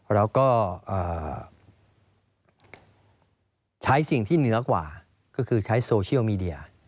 แล้วก็ใช้สิ่งที่เหนือกว่าก็คือใช้โซเชียลมีเดีย